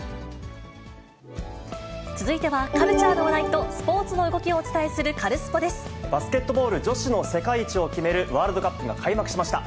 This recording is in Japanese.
続いては、カルチャーの話題とスポーツの動きをお伝えする、カルスポっ！でバスケットボール女子の世界一を決めるワールドカップが開幕しました。